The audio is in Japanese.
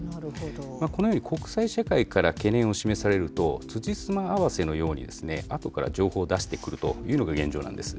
このように国際社会から懸念を示されると、つじつま合わせのように、あとから情報を出してくるというのが現状なんです。